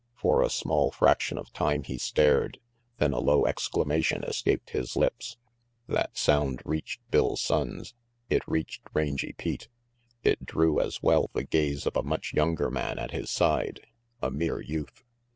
For a small fraction of time he stared, then a low exclamation escaped his lips. That sound reached Bill Sonnes. It reached Rangy Pete. It drew, as well, the gaze of a much younger man at his side, a mere youth.